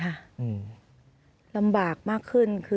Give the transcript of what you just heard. ขอมอบจากท่านรองเลยนะครับขอมอบจากท่านรองเลยนะครับขอมอบจากท่านรองเลยนะครับ